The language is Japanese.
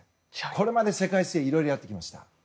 これまで世界水泳いろいろやってきました。